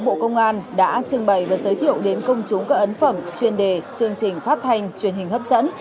bộ công an đã trưng bày và giới thiệu đến công chúng các ấn phẩm chuyên đề chương trình phát thanh truyền hình hấp dẫn